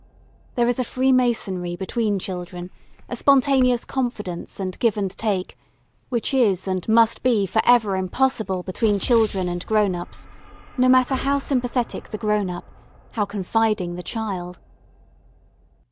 There is a freemasonry between children, a spontaneous confidence and give and take which is and must be for ever impossible between children and grown ups, no matter how sympathetic the grown up, how confiding the child.